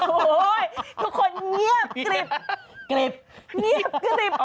โอ้โฮทุกคนเงียบกระดิบ